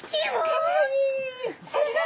かわいい。